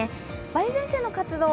梅雨前線の活動